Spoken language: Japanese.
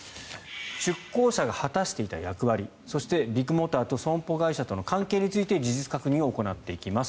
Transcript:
出向者が果たしていた役割そして、ビッグモーターと損保会社との関係について事実確認を行っていきます